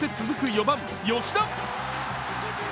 ４番・吉田。